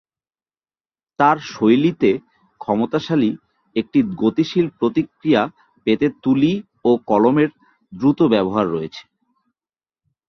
তার শৈলীতে ক্ষমতাশালী একটি গতিশীল প্রতিক্রিয়া পেতে তুলি ও কলমের দ্রুত ব্যবহার রয়েছে।